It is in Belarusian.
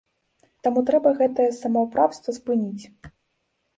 Таму трэба гэтае самаўпраўства спыніць.